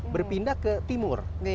berpindah ke timur